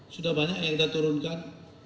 sudah banyak yang kita turunkan